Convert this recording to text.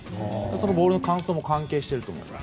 ボールの乾燥も関係していると思います。